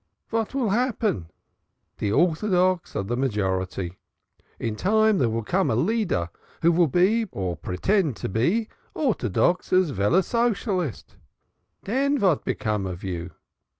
Vat vill happen? De ortodox are de majority; in time dere vill come a leader who vill be, or pretend to be, ortodox as veil as socialist. Den vat become of you?